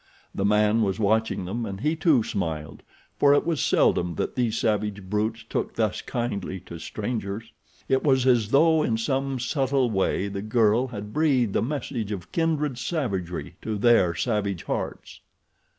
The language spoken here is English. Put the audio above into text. The man was watching them and he too smiled, for it was seldom that these savage brutes took thus kindly to strangers. It was as though in some subtile way the girl had breathed a message of kindred savagery to their savage hearts.